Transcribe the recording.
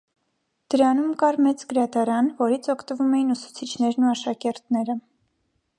Դրանում կար մեծ գրադարան, որից օգտվում էին ուսուցիչներն ու աշակերտները։